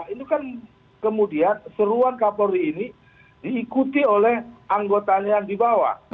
itu kan kemudian seruan kapolri ini diikuti oleh anggotanya yang dibawa